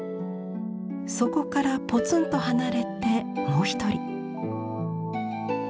そこからポツンと離れてもう一人。